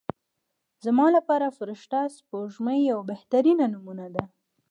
زما لپاره فرشته سپوږمۍ یوه بهترینه نمونه ده.